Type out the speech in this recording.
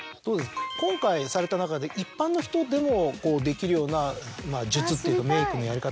今回された中で一般の人でもできるような術っていうかメイクのやり方